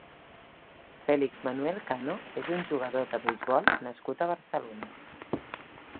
Félix Manuel Cano és un jugador de beisbol nascut a Barcelona.